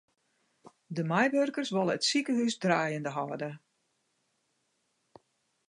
De meiwurkers wolle it sikehús draaiende hâlde.